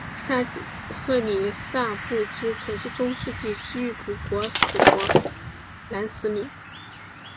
沙赫里萨布兹曾是中世纪西域古国史国南十里。